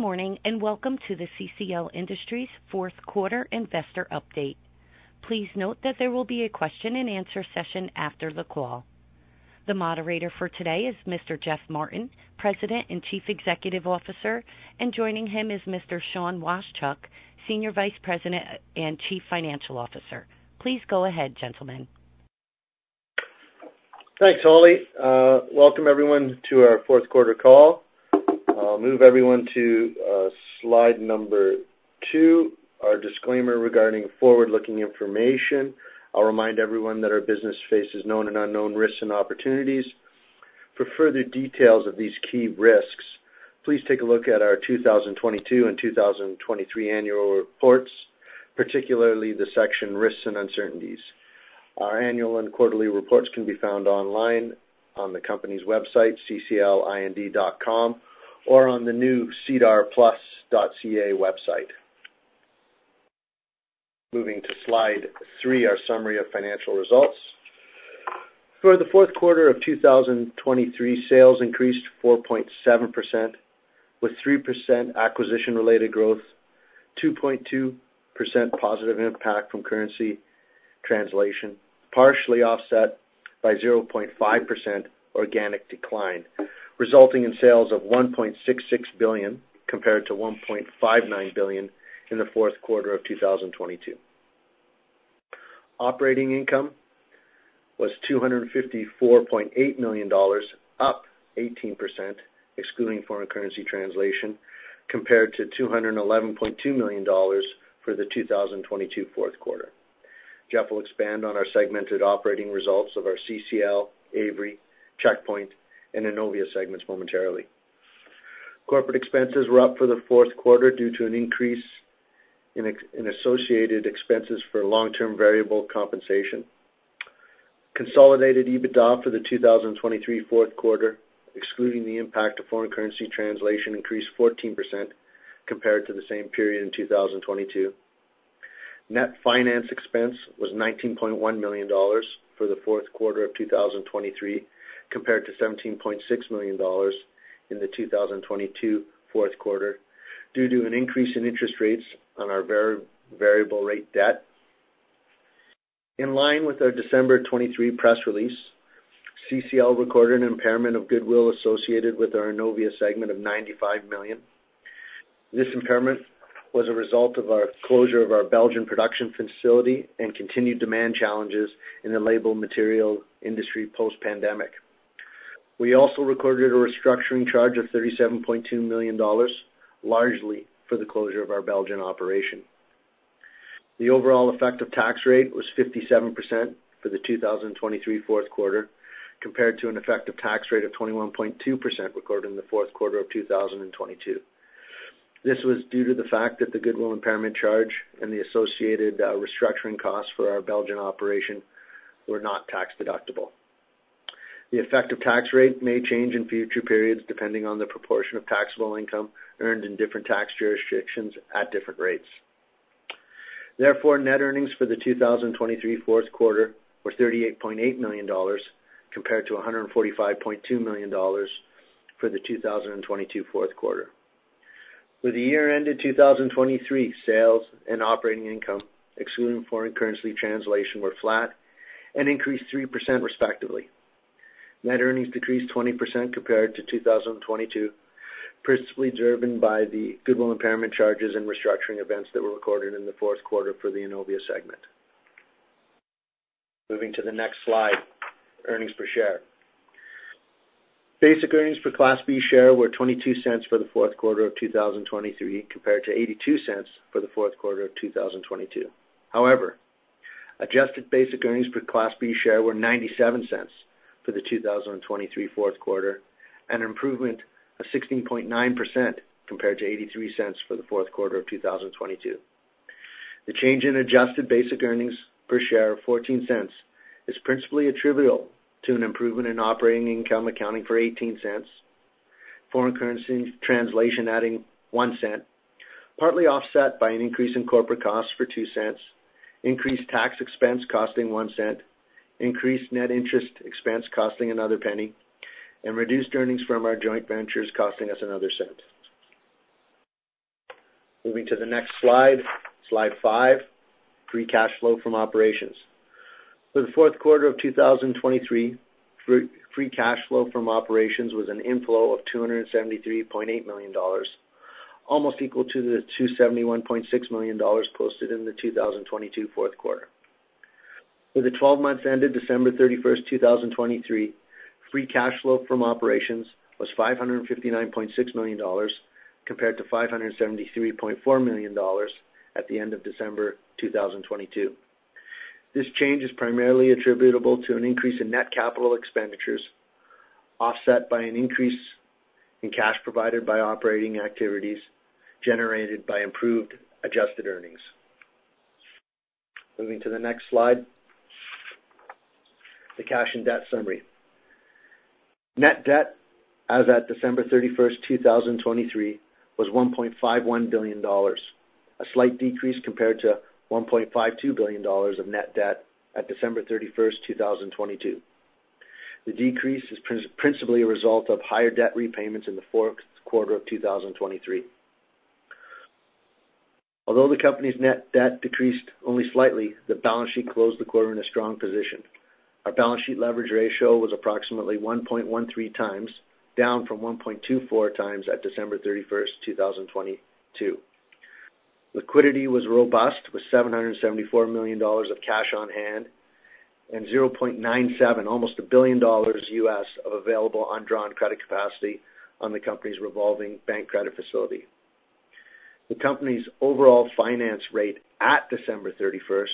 Good morning and welcome to the CCL Industries fourth-quarter investor update. Please note that there will be a question-and-answer session after the call. The moderator for today is Mr. Geoffrey Martin, President and Chief Executive Officer, and joining him is Mr. Sean Washchuk, Senior Vice President and Chief Financial Officer. Please go ahead, gentlemen. Thanks, Holly. Welcome everyone to our fourth-quarter call. I'll move everyone to slide two, our disclaimer regarding forward-looking information. I'll remind everyone that our business faces known and unknown risks and opportunities. For further details of these key risks, please take a look at our 2022 and 2023 annual reports, particularly the section Risks and Uncertainties. Our annual and quarterly reports can be found online on the company's website, cclind.com, or on the new sedarplus.ca website. Moving to slide 3, our summary of financial results. For the fourth quarter of 2023, sales increased 4.7% with 3% acquisition-related growth, 2.2% positive impact from currency translation, partially offset by 0.5% organic decline, resulting in sales of $ 1.66 billion compared to $1.59 billion in the fourth quarter of 2022. Operating income was $254.8 million, up 18% excluding foreign currency translation, compared to $211.2 million for the 2022 fourth quarter. Geoffrey will expand on our segmented operating results of our CCL, Avery, Checkpoint, and Innovia segments momentarily. Corporate expenses were up for the fourth quarter due to an increase in associated expenses for long-term variable compensation. Consolidated EBITDA for the 2023 fourth quarter, excluding the impact of foreign currency translation, increased 14% compared to the same period in 2022. Net finance expense was $19.1 million for the fourth quarter of 2023 compared to $17.6 million in the 2022 fourth quarter due to an increase in interest rates on our variable rate debt. In line with our December 23 press release, CCL recorded an impairment of goodwill associated with our Innovia segment of $95 million. This impairment was a result of our closure of our Belgian production facility and continued demand challenges in the label material industry post-pandemic. We also recorded a restructuring charge of $37.2 million, largely for the closure of our Belgian operation. The overall effective tax rate was 57% for the 2023 fourth quarter compared to an effective tax rate of 21.2% recorded in the fourth quarter of 2022. This was due to the fact that the goodwill impairment charge and the associated restructuring costs for our Belgian operation were not tax deductible. The effective tax rate may change in future periods depending on the proportion of taxable income earned in different tax jurisdictions at different rates. Therefore, net earnings for the 2023 fourth quarter were $38.8 million compared to $145.2 million for the 2022 fourth quarter. For the year-ended 2023, sales and operating income excluding foreign currency translation were flat and increased 3% respectively. Net earnings decreased 20% compared to 2022, principally driven by the goodwill impairment charges and restructuring events that were recorded in the fourth quarter for the Innovia segment. Moving to the next slide, earnings per share. Basic earnings per Class B share were $0.22 for the fourth quarter of 2023 compared to $ 0.82 for the fourth quarter of 2022. However, adjusted basic earnings per Class B share were $0.97 for the 2023 fourth quarter and an improvement of 16.9% compared to $ 0.83 for the fourth quarter of 2022. The change in adjusted basic earnings per share of $0.14 is principally attributable to an improvement in operating income accounting for $0.18, foreign currency translation adding $ 0.01, partly offset by an increase in corporate costs for $0.02, increased tax expense costing $0.01, increased net interest expense costing another 0.01, and reduced earnings from our joint ventures costing us another $0.01. Moving to the next slide, slide five, free cash flow from operations. For the fourth quarter of 2023, free cash flow from operations was an inflow of $273.8 million, almost equal to the $271.6 million posted in the 2022 fourth quarter. For the 12 months ended December 31, 2023, free cash flow from operations was $559.6 million compared to $573.4 million at the end of December 2022. This change is primarily attributable to an increase in net capital expenditures offset by an increase in cash provided by operating activities generated by improved adjusted earnings. Moving to the next slide, the cash and debt summary. Net debt as at December 31, 2023, was $1.51 billion, a slight decrease compared to $1.52 billion of net debt at December 31, 2022. The decrease is principally a result of higher debt repayments in the fourth quarter of 2023. Although the company's net debt decreased only slightly, the balance sheet closed the quarter in a strong position. Our balance sheet leverage ratio was approximately 1.13x down from 1.24x at December 31, 2022. Liquidity was robust with $ 774 million of cash on hand and $0.97 billion, almost a billion dollars US, of available undrawn credit capacity on the company's revolving bank credit facility. The company's overall finance rate at December 31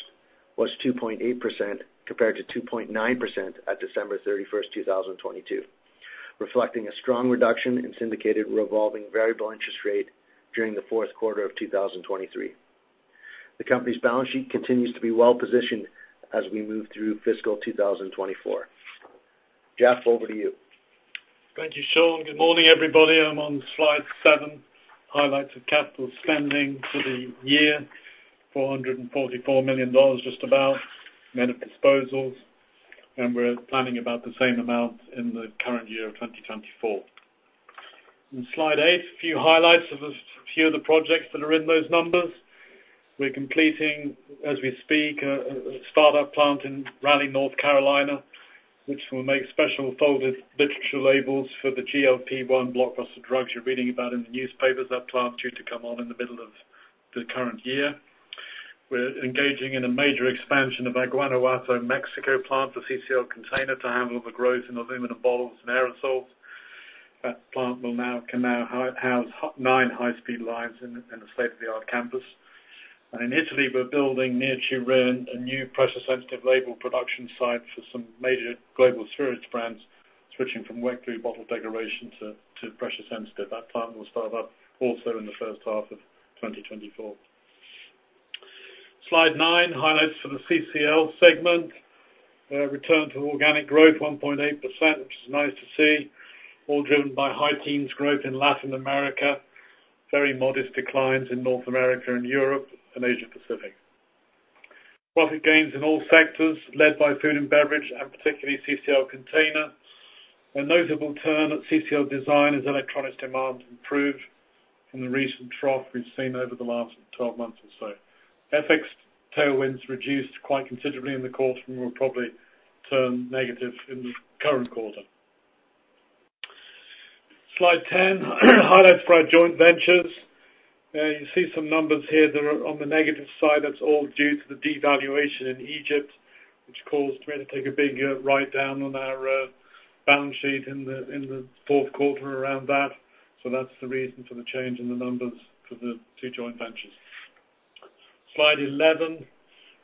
was 2.8% compared to 2.9% at December 31, 2022, reflecting a strong reduction in syndicated revolving variable interest rate during the fourth quarter of 2023. The company's balance sheet continues to be well positioned as we move through fiscal 2024. Geoffrey, over to you. Thank you, Sean. Good morning, everybody. I'm on slide seven, highlights of capital spending for the year, $444 million just about, net of disposals, and we're planning about the same amount in the current year of 2024. On slide eight, a few highlights of a few of the projects that are in those numbers. We're completing, as we speak, a startup plant in Raleigh, North Carolina, which will make special folded literature labels for the GLP-1 blockbuster drugs you're reading about in the newspapers. That plant is due to come on in the middle of the current year. We're engaging in a major expansion of Guanajuato, Mexico, plant for CCL Container to handle the growth in aluminum bottles and aerosols. That plant can now house nine high-speed lines in a state-of-the-art campus. In Italy, we're building near Turin a new pressure-sensitive label production site for some major global spirits brands, switching from wet glue bottle decoration to pressure-sensitive. That plant will start up also in the first half of 2024. Slide nine, highlights for the CCL segment. Return to organic growth, 1.8%, which is nice to see, all driven by high-teens growth in Latin America, very modest declines in North America and Europe and Asia-Pacific. Profit gains in all sectors, led by food and beverage and particularly CCL Container. A notable turn at CCL Design is electronics demand improved in the recent trough we've seen over the last 12 months or so. FX tailwinds reduced quite considerably in the quarter and will probably turn negative in the current quarter. Slide 10, highlights for our joint ventures. You see some numbers here that are on the negative side. That's all due to the devaluation in Egypt, which caused me to take a big write-down on our balance sheet in the fourth quarter around that. So that's the reason for the change in the numbers for the two joint ventures. Slide 11,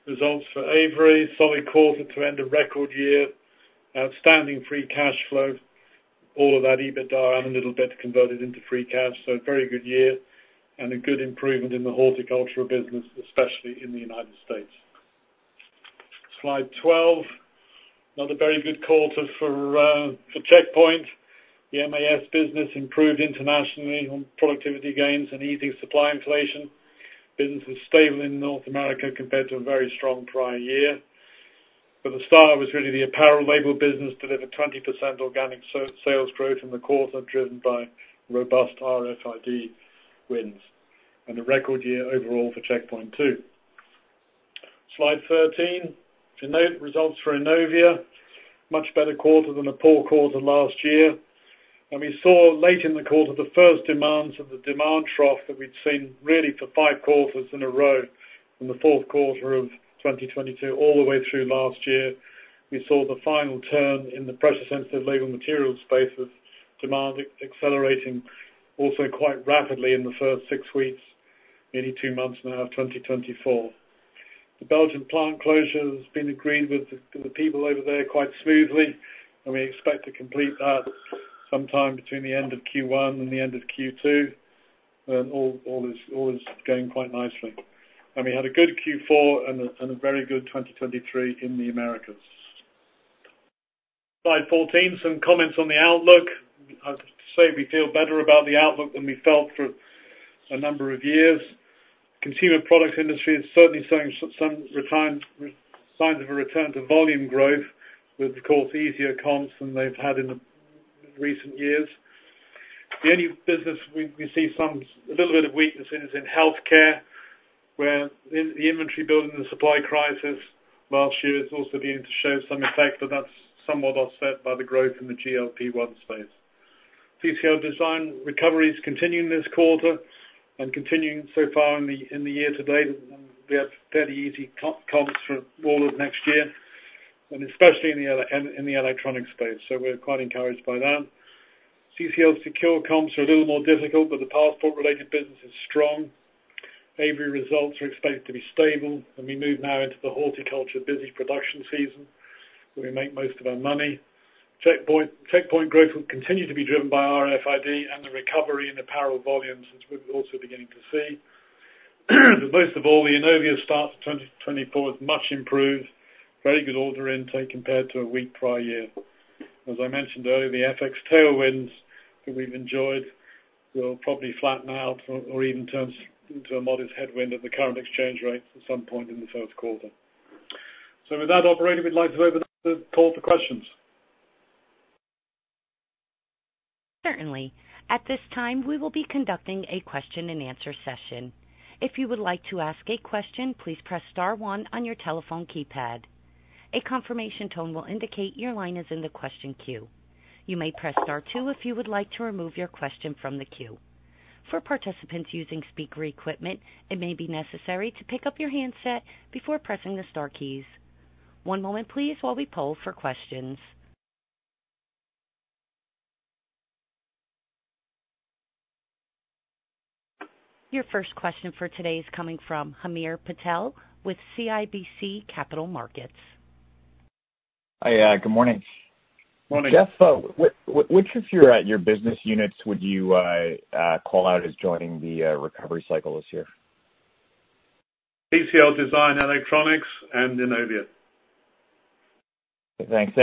results for Avery. Solid quarter to end a record year. Outstanding free cash flow, all of that EBITDA and a little bit converted into free cash. So a very good year and a good improvement in the horticulture business, especially in the United States. Slide 12, another very good quarter for Checkpoint. The MAS business improved internationally on productivity gains and easing supply inflation. Business was stable in North America compared to a very strong prior year. But the star was really the apparel label business delivered 20% organic sales growth in the quarter driven by robust RFID wins and a record year overall for Checkpoint too. Slide 13, to note, results for Innovia. Much better quarter than a poor quarter last year. And we saw late in the quarter the first demands of the demand trough that we'd seen really for five quarters in a row in the fourth quarter of 2022 all the way through last year. We saw the final turn in the pressure-sensitive label materials space with demand accelerating also quite rapidly in the first six weeks, nearly two months and a half, 2024. The Belgian plant closure has been agreed with the people over there quite smoothly, and we expect to complete that sometime between the end of Q1 and the end of Q2. All is going quite nicely. We had a good Q4 and a very good 2023 in the Americas. Slide 14, some comments on the outlook. I have to say we feel better about the outlook than we felt for a number of years. Consumer product industry is certainly showing some signs of a return to volume growth with, of course, easier comps than they've had in the recent years. The only business we see a little bit of weakness in is in healthcare where the inventory building and supply crisis last year is also beginning to show some effect, but that's somewhat offset by the growth in the GLP-1 space. CCL Design recovery is continuing this quarter and continuing so far in the year to date. We have fairly easy comps for all of next year and especially in the electronics space. We're quite encouraged by that. CCL Secure comps are a little more difficult, but the passport-related business is strong. Avery results are expected to be stable, and we move now into the horticulture busy production season where we make most of our money. Checkpoint growth will continue to be driven by RFID and the recovery in apparel volumes as we're also beginning to see. But most of all, the Innovia start of 2024 is much improved, very good order intake compared to a weak prior year. As I mentioned earlier, the FX tailwinds that we've enjoyed will probably flatten out or even turn into a modest headwind at the current exchange rates at some point in the first quarter. So with that, operator, we'd like to open up the call for questions. Certainly. At this time, we will be conducting a question-and-answer session. If you would like to ask a question, please press star one on your telephone keypad. A confirmation tone will indicate your line is in the question queue. You may press star two if you would like to remove your question from the queue. For participants using speaker equipment, it may be necessary to pick up your handset before pressing the star keys. One moment, please, while we pull for questions. Your first question for today is coming from Hamir Patel with CIBC Capital Markets. Hi. Good morning. Good morning. Geoffrey, which of your business units would you call out as joining the recovery cycle this year? CCL Design electronics and Innovia. Thanks.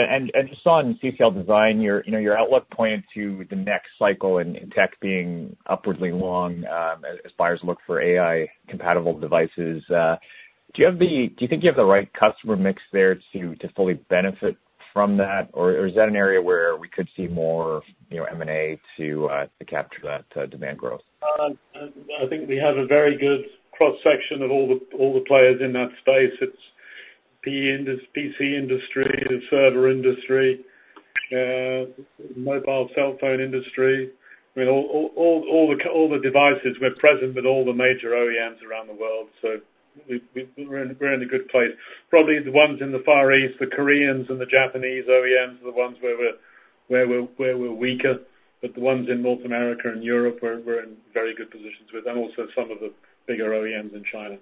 Sean, CCL Design, your outlook pointing to the next cycle and tech being upwardly long as buyers look for AI-compatible devices. Do you think you have the right customer mix there to fully benefit from that, or is that an area where we could see more M&A to capture that demand growth? I think we have a very good cross-section of all the players in that space. It's PC industry, the server industry, mobile cell phone industry. I mean, all the devices, we're present with all the major OEMs around the world, so we're in a good place. Probably the ones in the Far East, the Koreans and the Japanese OEMs are the ones where we're weaker. But the ones in North America and Europe, we're in very good positions with, and also some of the bigger OEMs in China.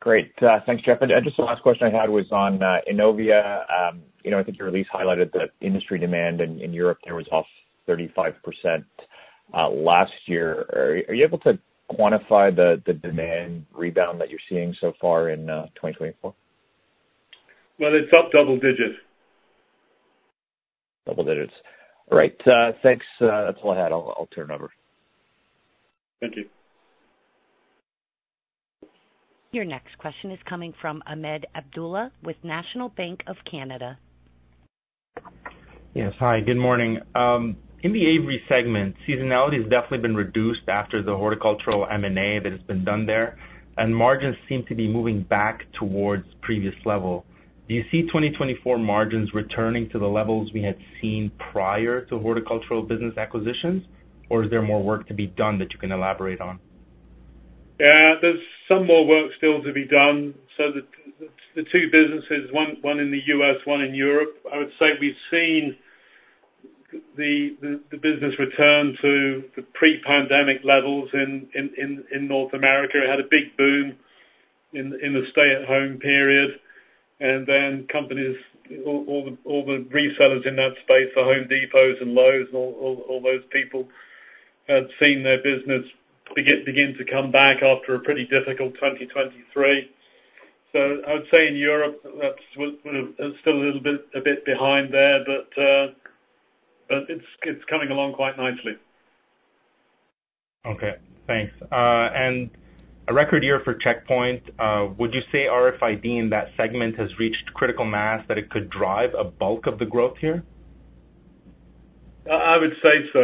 Great. Thanks, Geoffrey. Just the last question I had was on Innovia. I think your release highlighted that industry demand in Europe there was off 35% last year. Are you able to quantify the demand rebound that you're seeing so far in 2024? Well, it's up double digits. Double digits. All right. Thanks. That's all I had. I'll turn over. Thank you. Your next question is coming from Ahmed Abdullah with National Bank of Canada. Yes. Hi. Good morning. In the Avery segment, seasonality has definitely been reduced after the horticultural M&A that has been done there, and margins seem to be moving back towards previous levels. Do you see 2024 margins returning to the levels we had seen prior to horticultural business acquisitions, or is there more work to be done that you can elaborate on? Yeah. There's some more work still to be done. So the two businesses, one in the U.S., one in Europe, I would say we've seen the business return to the pre-pandemic levels in North America. It had a big boom in the stay-at-home period. And then companies, all the resellers in that space, the Home Depot and Lowe's and all those people had seen their business begin to come back after a pretty difficult 2023. So I would say in Europe, that's still a little bit behind there, but it's coming along quite nicely. Okay. Thanks. A record year for Checkpoint. Would you say RFID in that segment has reached critical mass that it could drive a bulk of the growth here? I would say so.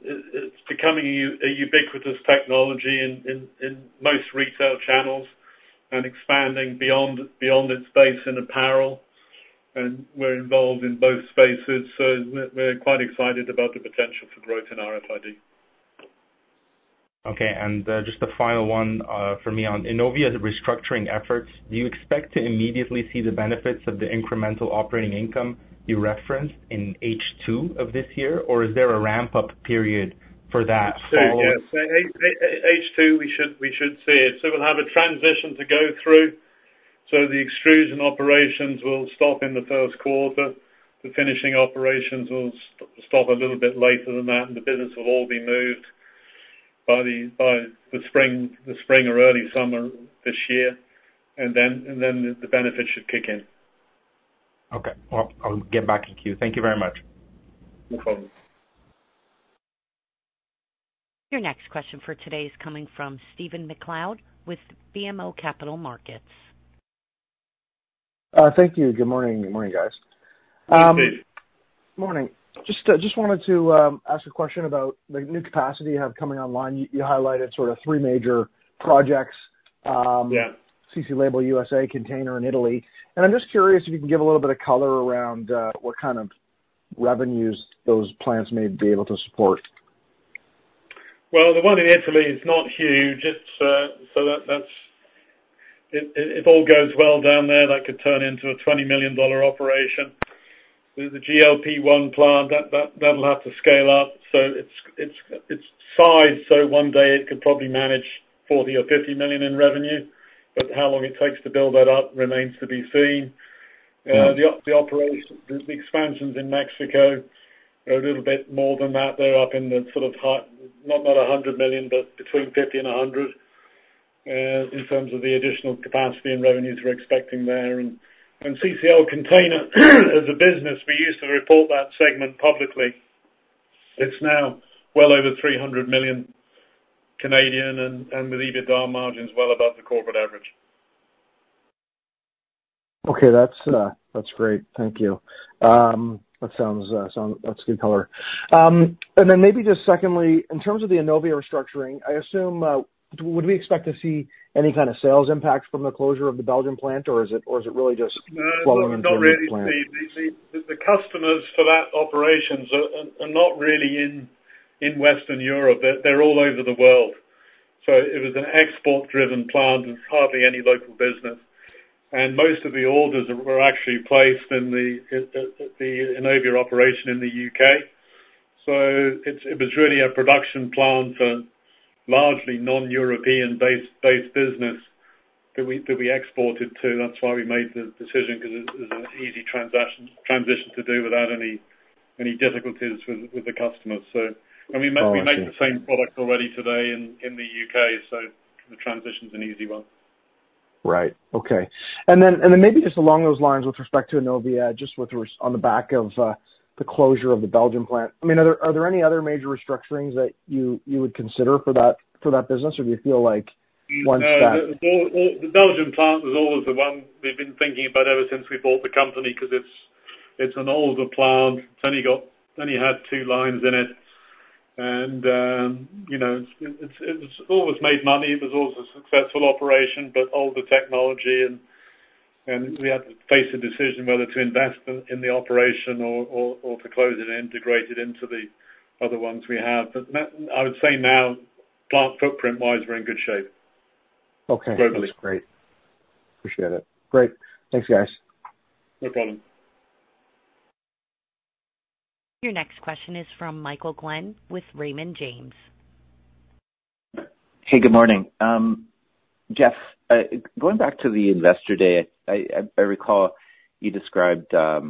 It's becoming a ubiquitous technology in most retail channels and expanding beyond its base in apparel. And we're involved in both spaces, so we're quite excited about the potential for growth in RFID. Okay. And just the final one for me on Innovia's restructuring efforts. Do you expect to immediately see the benefits of the incremental operating income you referenced in H2 of this year, or is there a ramp-up period for that? Yes. H2, we should see it. So we'll have a transition to go through. So the extrusion operations will stop in the first quarter. The finishing operations will stop a little bit later than that, and the business will all be moved by the spring or early summer this year. And then the benefits should kick in. Okay. I'll get back in queue. Thank you very much. No problem. Your next question for today is coming from Stephen MacLeod with BMO Capital Markets. Thank you. Good morning. Good morning, guys. You too. Good morning. Just wanted to ask a question about the new capacity you have coming online. You highlighted sort of three major projects: CCL Label USA, Container in Italy. I'm just curious if you can give a little bit of color around what kind of revenues those plants may be able to support. Well, the one in Italy is not huge. So if all goes well down there, that could turn into a $20 million operation. The GLP-1 plant, that'll have to scale up. So it's sized so one day it could probably manage $40 million or $50 million in revenue, but how long it takes to build that up remains to be seen. The expansions in Mexico are a little bit more than that. They're up in the sort of not $100 million, but between $50 million and $100 million in terms of the additional capacity and revenues we're expecting there. And CCL Container as a business, we used to report that segment publicly. It's now well over $ 300 million and with EBITDA margins well above the corporate average. Okay. That's great. Thank you. That sounds good color. And then maybe just secondly, in terms of the Innovia restructuring, would we expect to see any kind of sales impact from the closure of the Belgian plant, or is it really just flowing into the plant? No. They're not really the customers for that. Operations are not really in Western Europe. They're all over the world. So it was an export-driven plant with hardly any local business. And most of the orders were actually placed in the Innovia operation in the U.K. So it was really a production plant for largely non-European-based business that we exported to. That's why we made the decision because it was an easy transition to do without any difficulties with the customers. And we make the same product already today in the U.K., so the transition's an easy one. Right. Okay. And then maybe just along those lines with respect to Innovia, just on the back of the closure of the Belgian plant, I mean, are there any other major restructurings that you would consider for that business, or do you feel like once that? No. The Belgian plant was always the one we've been thinking about ever since we bought the company because it's an older plant. It's only had two lines in it. It's always made money. It was always a successful operation, but older technology. We had to face a decision whether to invest in the operation or to close it and integrate it into the other ones we have. I would say now, plant footprint-wise, we're in good shape globally. Okay. That's great. Appreciate it. Great. Thanks, guys. No problem. Your next question is from Michael Glen with Raymond James. Hey. Good morning. Geoffrey, going back to the investor day, I recall you described kind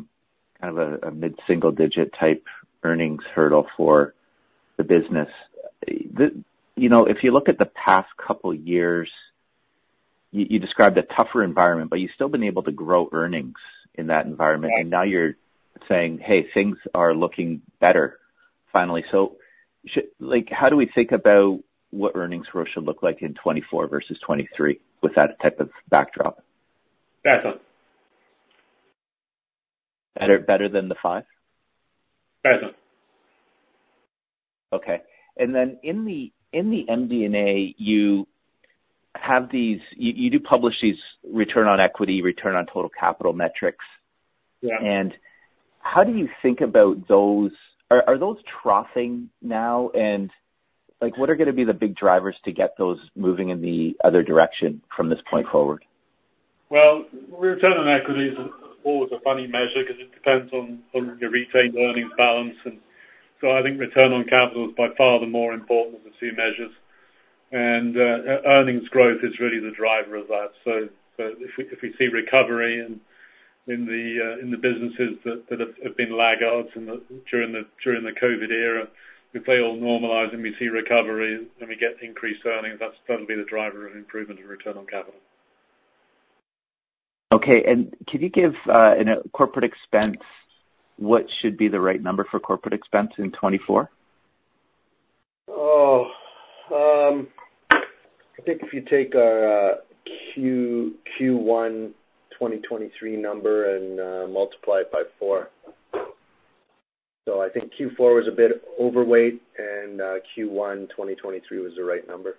of a mid-single-digit type earnings hurdle for the business. If you look at the past couple of years, you described a tougher environment, but you've still been able to grow earnings in that environment. And now you're saying, "Hey, things are looking better finally." So how do we think about what earnings growth should look like in 2024 versus 2023 with that type of backdrop? Excellent. Better than the five? Excellent. Okay. And then in the MD&A, you do publish these return on equity, return on total capital metrics. And how do you think about those? Are those troughing now? And what are going to be the big drivers to get those moving in the other direction from this point forward? Well, return on equity is always a funny measure because it depends on your retained earnings balance. And so I think return on capital is by far the more important of the two measures. And earnings growth is really the driver of that. So if we see recovery in the businesses that have been laggards during the COVID era, if they all normalize and we see recovery and we get increased earnings, that'll be the driver of improvement of return on capital. Okay. And could you give, in a corporate expense, what should be the right number for corporate expense in 2024? Oh. I think if you take our Q1 2023 number and multiply it by four. So I think Q4 was a bit overweight, and Q1 2023 was the right number.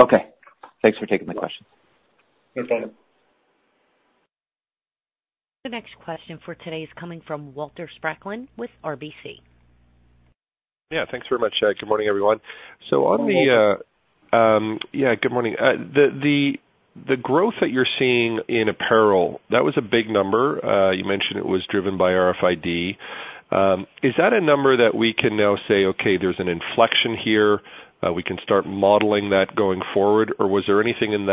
Okay. Thanks for taking my question. No problem. The next question for today is coming from Walter Spracklin with RBC. Yeah. Thanks very much, Geoffrey. Good morning, everyone. The growth that you're seeing in apparel, that was a big number. You mentioned it was driven by RFID. Is that a number that we can now say, "Okay. There's an inflection here. We can start modeling that going forward," or was there anything in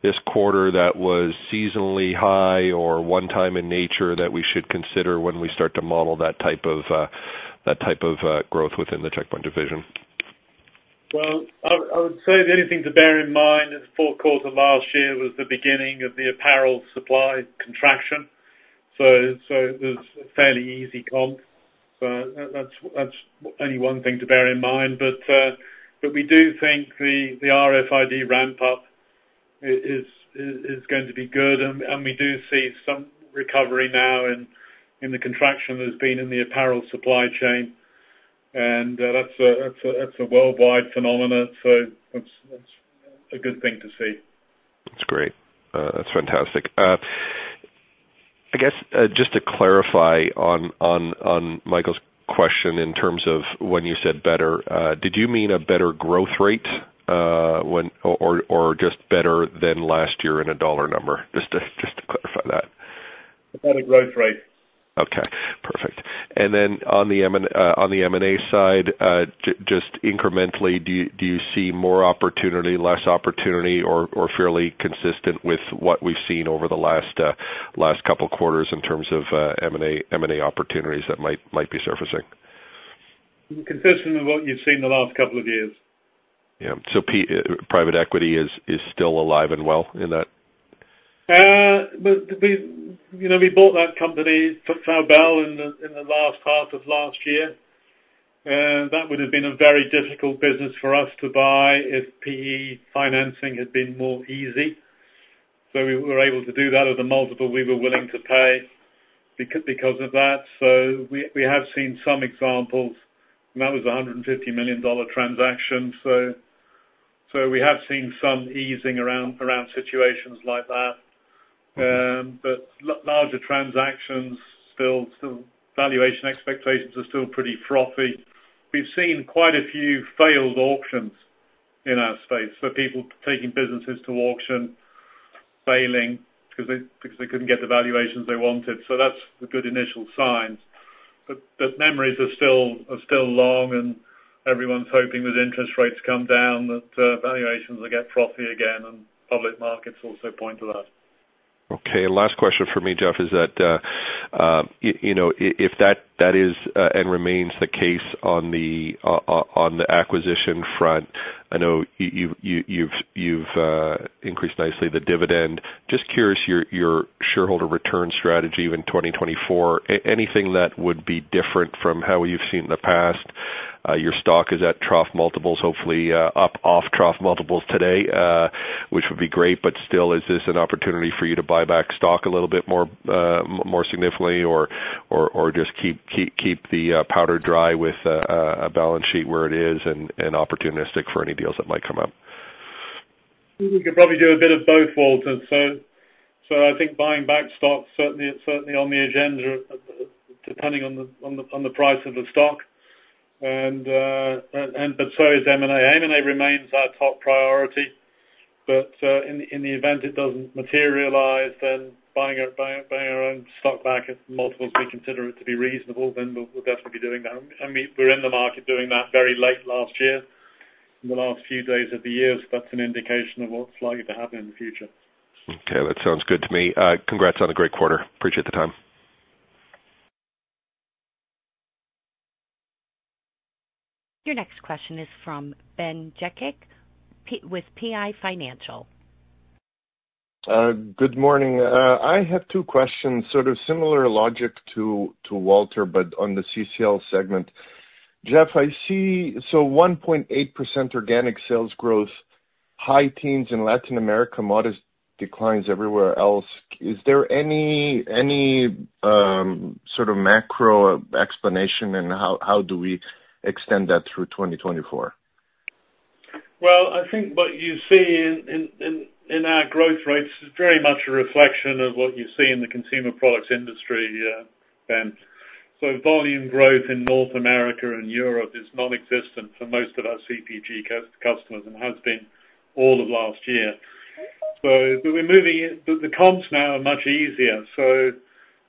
this quarter that was seasonally high or one-time in nature that we should consider when we start to model that type of growth within the Checkpoint division? Well, I would say the only thing to bear in mind in the fourth quarter last year was the beginning of the apparel supply contraction. So it was a fairly easy comp. So that's only one thing to bear in mind. But we do think the RFID ramp-up is going to be good. And we do see some recovery now in the contraction that's been in the apparel supply chain. And that's a worldwide phenomenon. So that's a good thing to see. That's great. That's fantastic. I guess just to clarify on Michael's question in terms of when you said better, did you mean a better growth rate or just better than last year in a dollar number? Just to clarify that. A better growth rate. Okay. Perfect. And then on the M&A side, just incrementally, do you see more opportunity, less opportunity, or fairly consistent with what we've seen over the last couple of quarters in terms of M&A opportunities that might be surfacing? Consistent with what you've seen the last couple of years. Yeah. So private equity is still alive and well in that? We bought that company, Faubel, in the last half of last year. That would have been a very difficult business for us to buy if PE financing had been more easy. So we were able to do that at a multiple we were willing to pay because of that. So we have seen some examples, and that was a $150 million transaction. So we have seen some easing around situations like that. But larger transactions, valuation expectations are still pretty frothy. We've seen quite a few failed auctions in our space, so people taking businesses to auction, failing because they couldn't get the valuations they wanted. So that's a good initial sign. But memories are still long, and everyone's hoping with interest rates come down that valuations will get frothy again. And public markets also point to that. Okay. Last question for me, Geoffrey, is that if that is and remains the case on the acquisition front, I know you've increased nicely the dividend. Just curious your shareholder return strategy in 2024, anything that would be different from how you've seen it in the past? Your stock is at trough multiples, hopefully off trough multiples today, which would be great. But still, is this an opportunity for you to buy back stock a little bit more significantly or just keep the powder dry with a balance sheet where it is and opportunistic for any deals that might come up? We could probably do a bit of both, Walter. So I think buying back stock, certainly it's certainly on the agenda depending on the price of the stock. But so is M&A. M&A remains our top priority. But in the event it doesn't materialize, then buying our own stock back at multiples we consider it to be reasonable, then we'll definitely be doing that. And we were in the market doing that very late last year, in the last few days of the year. So that's an indication of what's likely to happen in the future. Okay. That sounds good to me. Congrats on a great quarter. Appreciate the time. Your next question is from Ben Jekic with PI Financial. Good morning. I have two questions, sort of similar logic to Walter but on the CCL segment. Geoffrey, so 1.8% organic sales growth, high teens in Latin America, modest declines everywhere else. Is there any sort of macro explanation, and how do we extend that through 2024? Well, I think what you see in our growth rates is very much a reflection of what you see in the consumer products industry, Ben. So volume growth in North America and Europe is nonexistent for most of our CPG customers and has been all of last year. But the comps now are much easier.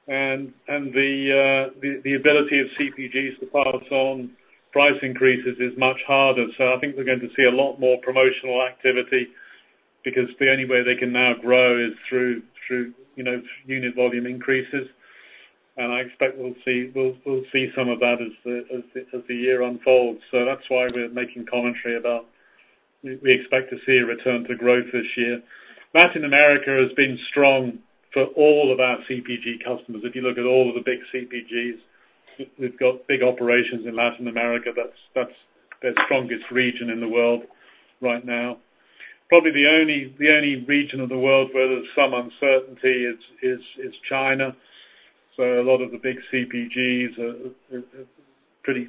And the ability of CPGs to pass on price increases is much harder. So I think we're going to see a lot more promotional activity because the only way they can now grow is through unit volume increases. And I expect we'll see some of that as the year unfolds. So that's why we're making commentary about we expect to see a return to growth this year. Latin America has been strong for all of our CPG customers. If you look at all of the big CPGs, we've got big operations in Latin America. They're the strongest region in the world right now. Probably the only region of the world where there's some uncertainty is China. So a lot of the big CPGs are pretty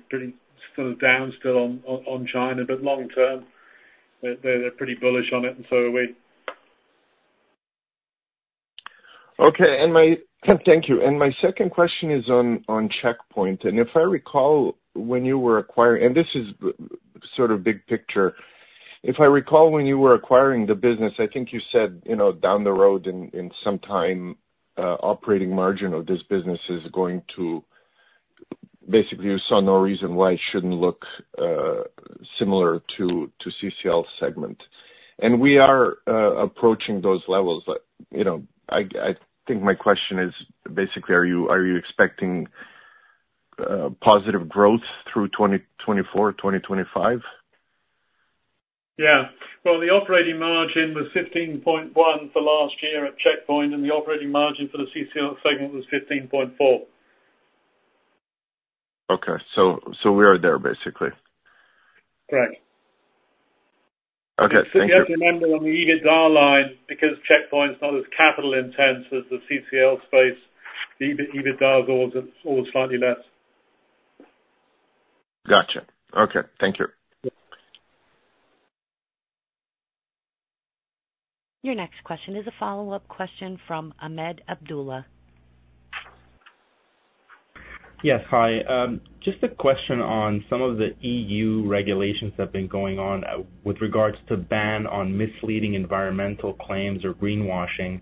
sort of down still on China. But long-term, they're pretty bullish on it, and so are we. Okay. Thank you. My second question is on Checkpoint. If I recall when you were acquiring and this is sort of big picture. If I recall when you were acquiring the business, I think you said down the road, in some time, operating margin of this business is going to basically, you saw no reason why it shouldn't look similar to CCL segment. We are approaching those levels. I think my question is basically, are you expecting positive growth through 2024, 2025? Yeah. Well, the operating margin was 15.1 for last year at Checkpoint, and the operating margin for the CCL segment was 15.4. Okay. So we are there, basically? Correct. Okay. Thank you. Just so you have to remember, on the EBITDA line, because Checkpoint's not as capital-intensive as the CCL space, the EBITDA's always slightly less. Gotcha. Okay. Thank you. Your next question is a follow-up question from Ahmed Abdullah. Yes. Hi. Just a question on some of the EU regulations that have been going on with regards to ban on misleading environmental claims or greenwashing.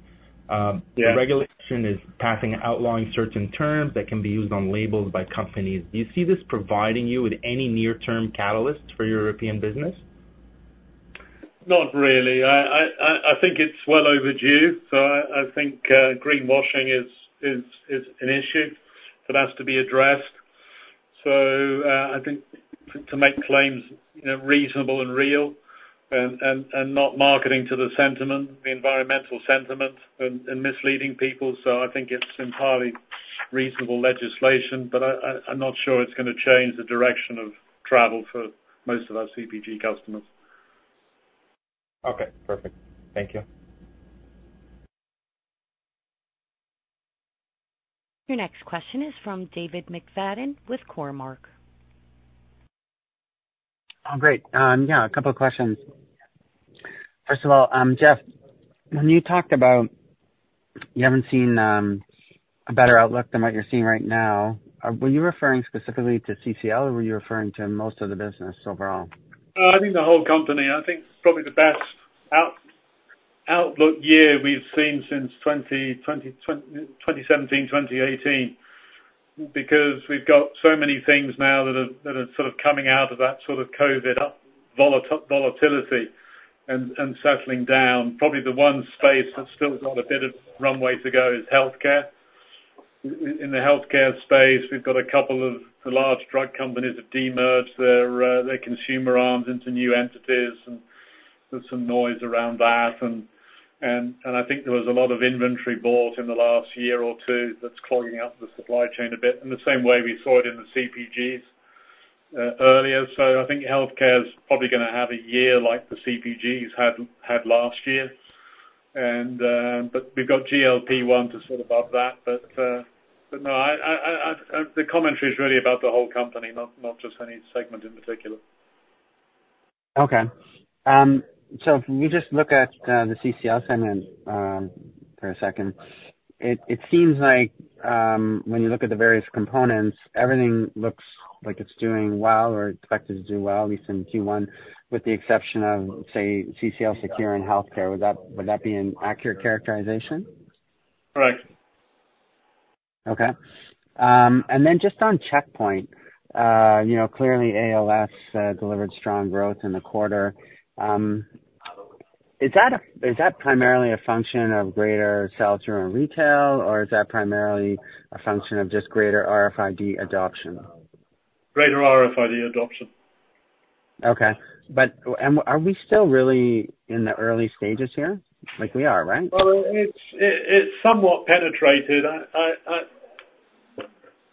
The regulation is passing outlawing certain terms that can be used on labels by companies. Do you see this providing you with any near-term catalysts for your European business? Not really. I think it's well overdue. So I think greenwashing is an issue that has to be addressed. So I think to make claims reasonable and real and not marketing to the sentiment, the environmental sentiment, and misleading people, so I think it's entirely reasonable legislation. But I'm not sure it's going to change the direction of travel for most of our CPG customers. Okay. Perfect. Thank you. Your next question is from David McFadgen with Cormark. Great. Yeah. A couple of questions. First of all, Geoffrey, when you talked about, you haven't seen a better outlook than what you're seeing right now. Were you referring specifically to CCL, or were you referring to most of the business overall? I think the whole company. I think probably the best outlook year we've seen since 2017, 2018 because we've got so many things now that are sort of coming out of that sort of COVID volatility and settling down. Probably the one space that's still got a bit of runway to go is healthcare. In the healthcare space, we've got a couple of the large drug companies have demerged their consumer arms into new entities, and there's some noise around that. And I think there was a lot of inventory bought in the last year or two that's clogging up the supply chain a bit in the same way we saw it in the CPGs earlier. So I think healthcare's probably going to have a year like the CPGs had last year. But we've got GLP-1 to sit above that. But no, the commentary is really about the whole company, not just any segment in particular. Okay. So if we just look at the CCL segment for a second, it seems like when you look at the various components, everything looks like it's doing well or expected to do well, at least in Q1, with the exception of, say, CCL Secure in healthcare. Would that be an accurate characterization? Correct. Okay. And then just on Checkpoint, clearly, ALS delivered strong growth in the quarter. Is that primarily a function of greater sales through retail, or is that primarily a function of just greater RFID adoption? Greater RFID adoption. Okay. Are we still really in the early stages here? We are, right? Well, it's somewhat penetrated.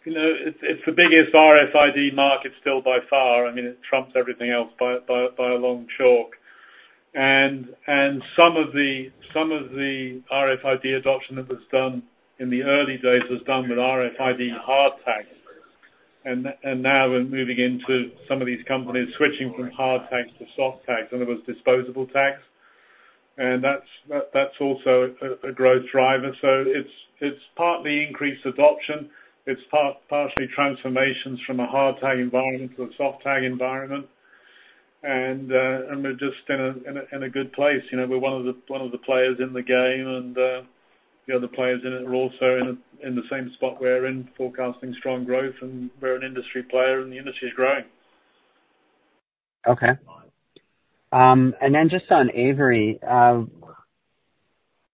It's the biggest RFID market still by far. I mean, it trumps everything else by a long chalk. Some of the RFID adoption that was done in the early days was done with RFID hard tags. Now we're moving into some of these companies switching from hard tags to soft tags, and it was disposable tags. That's also a growth driver. It's partly increased adoption. It's partially transformations from a hard-tag environment to a soft-tag environment. We're just in a good place. We're one of the players in the game. The other players in it are also in the same spot we're in, forecasting strong growth. We're an industry player, and the industry's growing. Okay. And then just on Avery,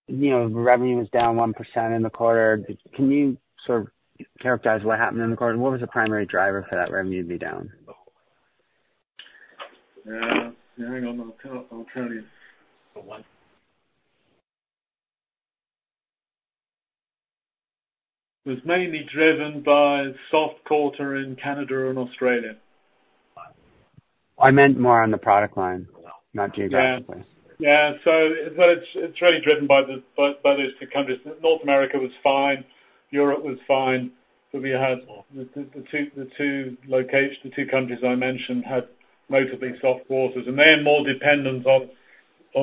revenue was down 1% in the quarter. Can you sort of characterize what happened in the quarter? What was the primary driver for that revenue to be down? Yeah. Hang on. I'll tell you. It was mainly driven by soft quarter in Canada and Australia. I meant more on the product line, not geographically. Yeah. But it's really driven by those two countries. North America was fine. Europe was fine. But we had the two countries I mentioned had notably soft quarters. And they're more dependent on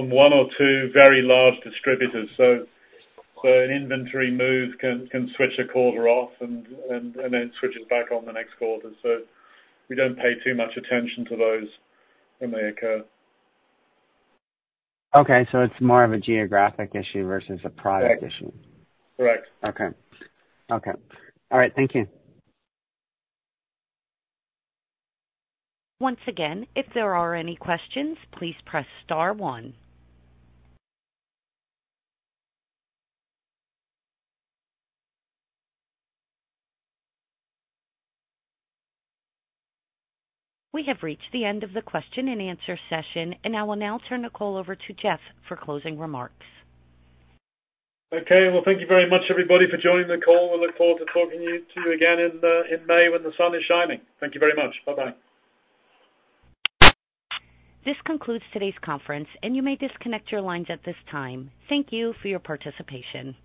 one or two very large distributors. So an inventory move can switch a quarter off, and then it switches back on the next quarter. So we don't pay too much attention to those when they occur. Okay. So it's more of a geographic issue versus a product issue? Correct. Correct. Okay. Okay. All right. Thank you. Once again, if there are any questions, please press star one. We have reached the end of the question-and-answer session, and I will now turn the call over to Geoffrey for closing remarks. Okay. Well, thank you very much, everybody, for joining the call. We look forward to talking to you again in May when the sun is shining. Thank you very much. Bye-bye. This concludes today's conference, and you may disconnect your lines at this time. Thank you for your participation.